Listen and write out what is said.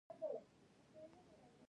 سم د ماښامه تبې ونيومه